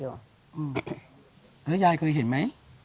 แล้วยายเคยเห็นไหม